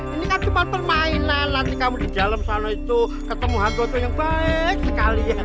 ini kan tempat permainan nanti kamu di dalam sana itu ketemu hago tuh yang baik sekali ya